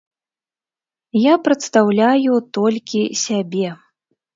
Я прадстаўляю толькі сябе.